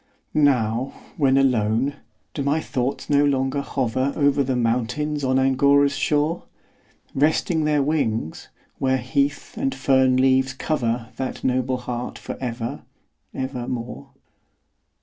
Now, when alone, do my thoughts no longer hover Over the mountains on Angora's shore, Resting their wings, where heath and fern leaves cover That noble heart for ever, ever more?